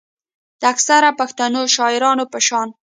د اکثره پښتنو شاعرانو پۀ شان